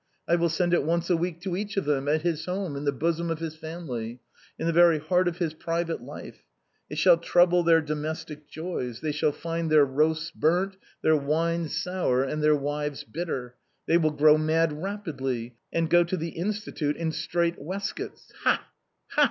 I will send it once a week to each of them, at his home in the bosom of his family; in the very heart of his private life. It shall trouble their domestic joys; they shall find their roasts burnt, their wines sour, and their wives bitter ! They will grow mad rapidly, and go to the Institute in straight waist coats. Ha ! ha